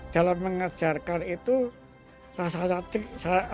dalam mengejarkan itu rasa sakit